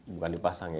bukan dipasang ya